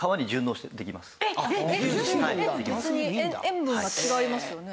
塩分が違いますよね？